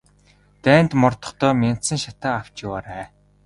Дайнд мордохдоо мяндсан шатаа авч яваарай.